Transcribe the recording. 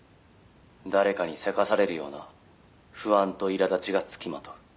「誰かにせかされるような不安といらだちがつきまとう」